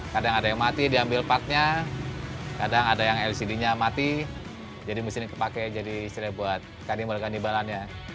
kadang ada yang mati diambil partnya kadang ada yang lcd nya mati jadi mesin ini terpakai jadi istilah buat kandungan di balan